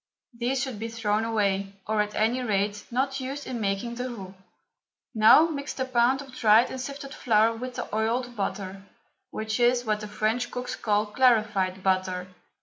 These should be thrown away, or, at any rate, not used in making the roux. Now mix the pound of dried and sifted flour with the oiled butter, which is what the French cooks call clarified butter.